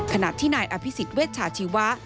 ขณะที่นายอภิษฎเวชชาชีวะ